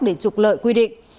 để trục lợi quy định